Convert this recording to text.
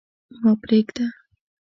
ما پرېږده.